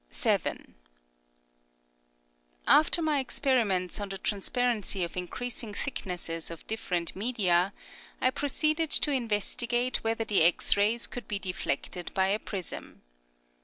7. After my experiments on the trans parency of increasing thicknesses of dif ferent media, I proceeded to investigate whether the X rays could be deflected by a prism.